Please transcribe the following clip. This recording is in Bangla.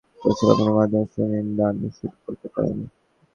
সেগুলো চিহ্নিত করে আপনি কিছু কৌশল অবলম্বনের মাধ্যমে সুনিদ্রা নিশ্চিত করতে পারেন।